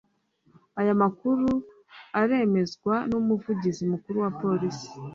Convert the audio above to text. Aya makuru aremezwa n’umuvugizi mukuru wa Polisi